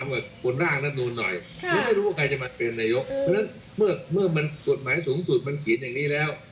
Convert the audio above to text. ว่าเป็นกฎหมายสูงสุดมันฉีนอย่างนี้แล้ว